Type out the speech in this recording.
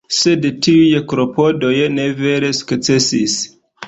Sed tiuj klopodoj ne vere sukcesis.